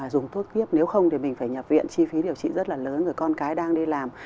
dùng thuốc tiếp nếu không thì mình phải nhập viện chi phí điều trị rất là lớn người con cái đang đi làm